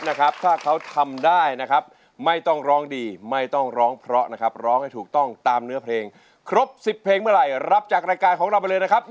นะครับถ้าเขาทำได้นะครับไม่ต้องร้องดีไม่ต้องร้องเพราะนะครับร้องให้ถูกต้องตามเนื้อเพลงครบ๑๐เพลงเมื่อไหร่รับจากรายการของเราไปเลยนะครับ